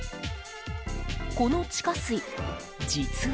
この地下水、実は。